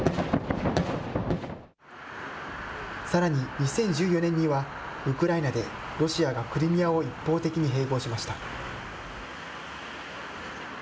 さらに２０１４年には、ウクライナでロシアがクリミアを一方的に併合しました。